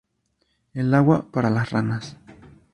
El agua, para las ranas